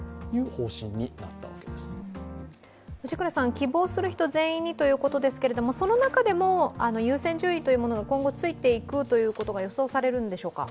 希望する人全員にということですけれども、その中でも優先順位が今後ついていくことが予想されるんでしょうか？